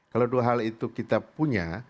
kalau dua hal itu kita punya